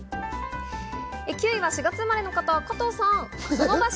９位は４月生まれの方、加藤さん。